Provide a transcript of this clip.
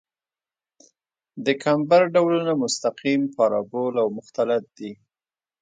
د کمبر ډولونه مستقیم، پارابول او مختلط دي